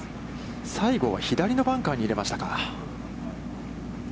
西郷は左のバンカーに入れましたか。